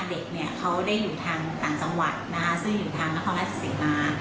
เด็กเนี่ยเขาได้อยู่ทางต่างจังหวัดนะคะซึ่งอยู่ทางนครราชสีมา